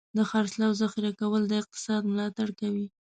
د حاصلاتو ذخیره کول د اقتصاد ملاتړ کوي.